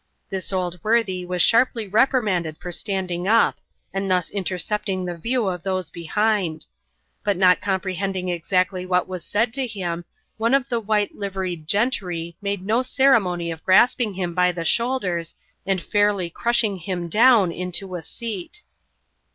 This old worthy was sharply reprimanded for standing up, and thus intercepting the view of those behind; but not comprehending exactly what was said to him, one of the white liveried gentry made no ceremony of grasping him by the shoulders, and fairly crushing him down into a seat.